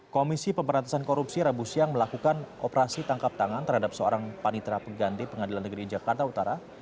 komisi pemberantasan korupsi rabu siang melakukan operasi tangkap tangan terhadap seorang panitra peganti pengadilan negeri jakarta utara